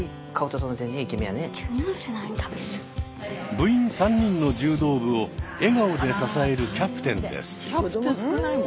部員３人の柔道部を笑顔で支えるキャプテンです。